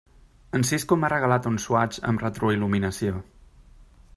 En Sisco m'ha regalat un Swatch amb retroil·luminació.